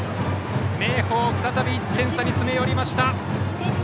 明豊、再び１点差に詰め寄りました。